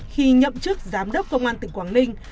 khi nhậm chức giám đốc công an tỉnh quảng ninh